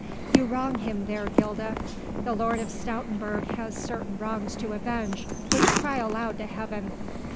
"You wrong him there, Gilda. The Lord of Stoutenburg has certain wrongs to avenge which cry aloud to Heaven."